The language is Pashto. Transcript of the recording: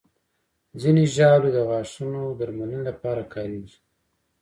ځینې ژاولې د غاښونو درملنې لپاره کارېږي.